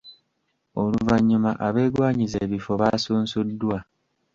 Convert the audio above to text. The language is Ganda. Oluvannyuma abeegwanyiza ebifo baasunsuddwa